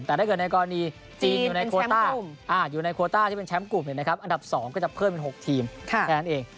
แต่ถ้าเกิดในกรณีจีนอยู่ในโคต้าอยู่ในโคต้าที่เป็นแชมป์กลุ่มอันดับ๒ก็จะเพิ่มเป็น๖ทีมแค่นั้นเอง